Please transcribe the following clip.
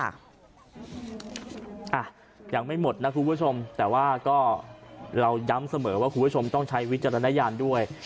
อ่ะยังไม่หมดนะคุณผู้ชมแต่ว่าก็เราย้ำเสมอว่าคุณผู้ชมต้องใช้วิจารณญาณด้วย